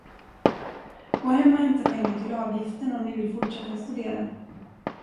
Gå hem och hämta pengar till avgiften om ni vill fortsätta studera.